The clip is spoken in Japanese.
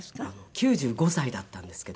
９５歳だったんですけど。